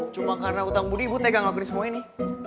cuma karena utang budi ibu tega gak kena semuanya nih